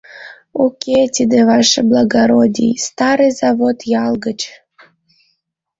— Уке, тиде, ваше благородий, Старый Завод ял гыч.